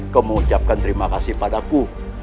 kau mengucapkan terima kasih padaku